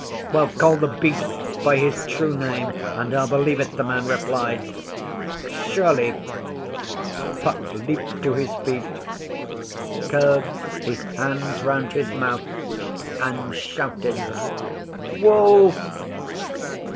Well, call The Beast by his True Name, and I'll believe it,' the man replied. 'Surely!' Puck leaped to his feet, curved his hands round his mouth and shouted: 'Wolf!